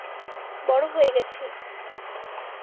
বড়ো হয়ে গেছি।